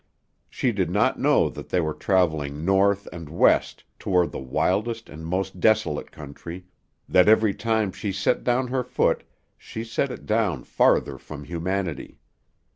She did not know that they were traveling north and west toward the wildest and most desolate country, that every time she set down her foot she set it down farther from humanity.